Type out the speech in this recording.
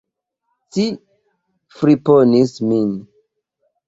Ci friponis min!